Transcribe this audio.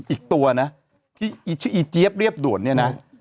อีกตัวนะที่ชื่ออีเจี๊ยบเรียบด่วนเนี่ยนะ